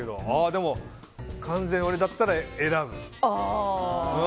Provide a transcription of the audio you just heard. でも完全に俺だったら選ぶ。